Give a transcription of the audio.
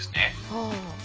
はい。